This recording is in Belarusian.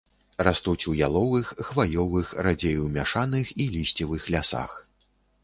Растуць у яловых, хваёвых, радзей у мяшаных і лісцевых лясах.